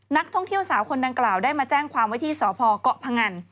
นักท่องเที่ยวสาวคนดังกล่าวได้มาแจ้งความไว้ที่สพเกาะพงัน